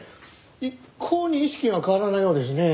一向に意識が変わらないようですねえ。